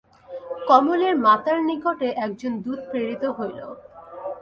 কমলের মাতার নিকটে একজন দূত প্রেরিত হইল।